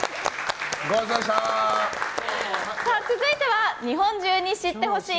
続いては日本中に知って欲しい！